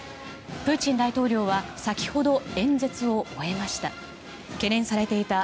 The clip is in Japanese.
プーチン大統領は先ほど演説を終えました。